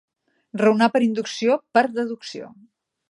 Raonar per inducció, per deducció.